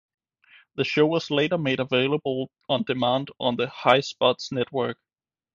The show was later made available on demand on the High Spots network.